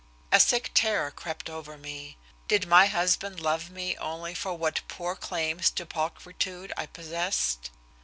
A sick terror crept over me. Did my husband love me only for what poor claims to pulchritude I possessed?